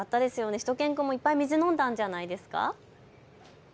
しゅと犬くんもいっぱい水を飲んだんじゃないですか。